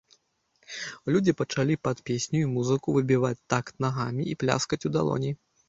Людзі пачалі пад песню і музыку выбіваць такт нагамі, пляскаць у далоні.